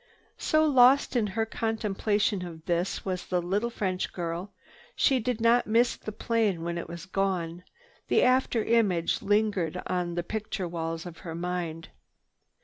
So lost in her contemplation of this was the little French girl, she did not miss the plane when it was gone. The after image lingered on the picture walls of her mind.